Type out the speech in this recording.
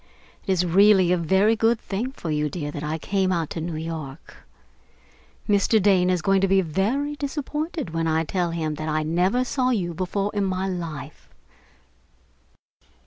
It is really a very good thing for you, dear, that I came out to New York. Mr. Dane is going to be very disappointed when I tell him that I never saw you before in my life....